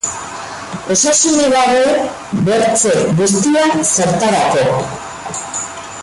Osasunik gabe bertze guztia, zertarako?